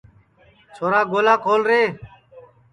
چھورا گولا کھول رے